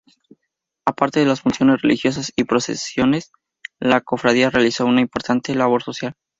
Aparte de las funciones religiosas y procesiones, la cofradía realizó una importante labor social.